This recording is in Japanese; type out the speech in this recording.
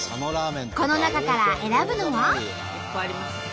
この中から選ぶのは。